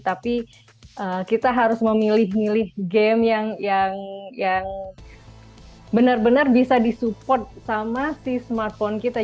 tapi kita harus memilih milih game yang benar benar bisa disupport sama si smartphone kita